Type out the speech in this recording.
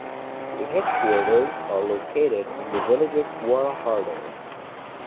The headquarters are located in the village of Gaura Hardo.